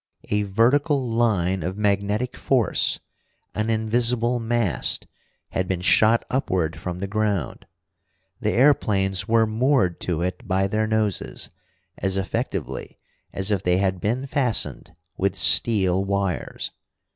A vertical line of magnetic force, an invisible mast, had been shot upward from the ground. The airplanes were moored to it by their noses, as effectively as if they had been fastened with steel wires.